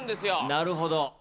なるほど。